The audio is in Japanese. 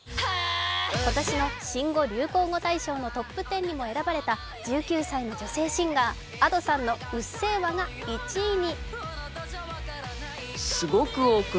今年の新語・流行語大賞のトップ１０にも選ばれた１９歳の女性シンガー、Ａｄｏさんの「うっせぇわ」が１位に。